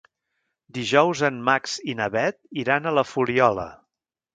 Dijous en Max i na Bet iran a la Fuliola.